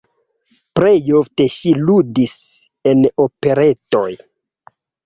Plej ofte ŝi ludis en operetoj.